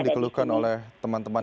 kami sudah melakukan pengumuman di rumah